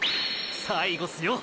最後すよ！！